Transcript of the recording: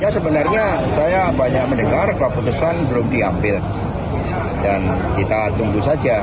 sebenarnya saya banyak mendengar kalau putusan belum diambil dan kita tunggu saja